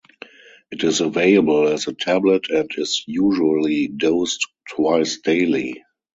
It is available as a tablet and is usually dosed twice daily.